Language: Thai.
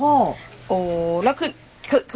โอ้แล้วขึ้นไปยากป่ะ